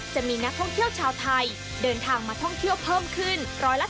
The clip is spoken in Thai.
จะมีนักท่องเที่ยวชาวไทยเดินทางมาท่องเที่ยวเพิ่มขึ้น๑๓